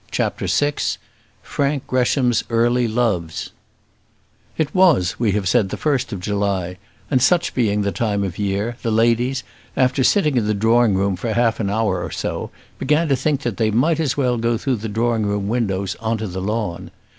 CHAPTER VI Frank Gresham's Early Loves It was, we have said, the first of July, and such being the time of the year, the ladies, after sitting in the drawing room for half an hour or so, began to think that they might as well go through the drawing room windows on to the lawn.